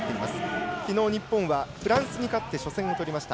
きのう日本はフランスに勝って初戦をとりました。